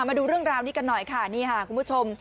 มาดูเรื่องราวนี้กันหน่อยค่ะนี่ค่ะคุณผู้ชม